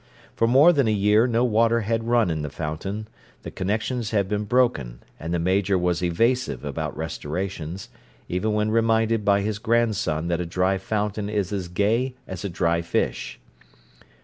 For more than a year no water had run in the fountain: the connections had been broken, and the Major was evasive about restorations, even when reminded by his grandson that a dry fountain is as gay as a dry fish.